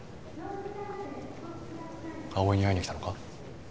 葵に会いに来たのか？